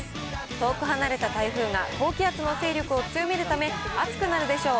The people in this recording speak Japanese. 遠く離れた台風が高気圧の勢力を強めるため、暑くなるでしょう。